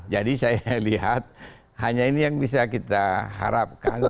jadi saya lihat hanya ini yang bisa kita harapkan